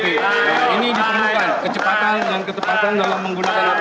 nah ini diperlukan kecepatan dan ketepatan dalam menggunakan apd